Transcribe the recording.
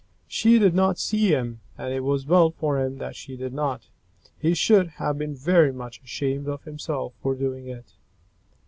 She did not see him, and it was well for him that she did not. He should have been very much ashamed of himself for doing it.